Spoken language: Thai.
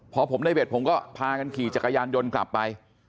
พอผมได้เบ็ดผมก็พากันขี่จักรยานยนต์กลับไป